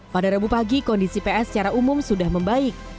pada rabu pagi kondisi ps secara umum sudah membaik